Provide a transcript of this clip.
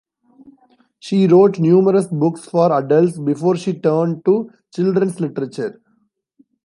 She wrote numerous books for adults before she turned to children's literature.